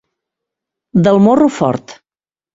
Del morro fort.